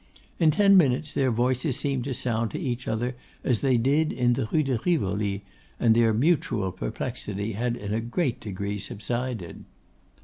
In ten minutes their voices seemed to sound to each other as they did in the Rue de Rivoli, and their mutual perplexity had in a great degree subsided.